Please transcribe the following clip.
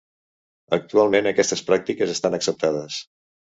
Actualment aquestes pràctiques estan acceptades.